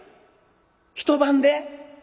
一晩で？